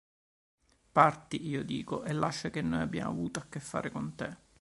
Parti, io dico, e lascia che noi abbiamo avuto a che fare con te.